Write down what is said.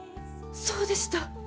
そうでした！